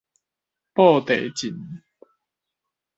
布袋鎮